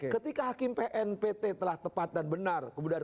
ketika hakim pnpt telah tepat dan benar